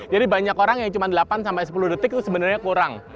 jadi banyak orang yang cuma delapan sampai sepuluh detik itu sebenarnya kurang